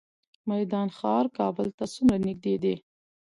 میدان ښار کابل ته څومره نږدې دی؟